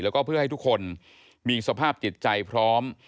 แล้วก็เพื่อให้ทุกคนมีสภาพจิตใจพร้อม